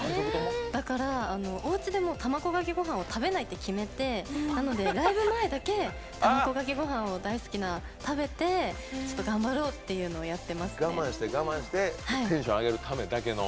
だから、おうちで卵かけごはんを食べないって決めてなので、ライブ前だけ大好きな卵かけごはんを食べてちょっと頑張ろうっていうのをやってますね我慢して我慢してテンションあげるためだけの。